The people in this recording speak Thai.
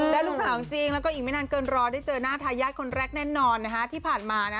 แล้งก็ไม่นานกึ้งรอได้เจอหน้าทายยาสคนแรกแน่นนอนที่ผ่านมานะ